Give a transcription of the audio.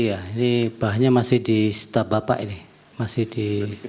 iya ini bahannya masih di staf bapak ini masih di